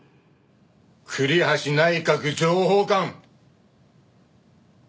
栗橋内閣情報官！